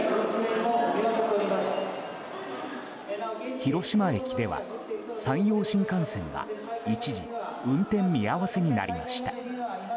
広島駅では山陽新幹線が一時運転見合わせになりました。